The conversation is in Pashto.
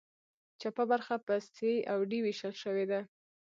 چپه برخه په سي او ډي ویشل شوې ده.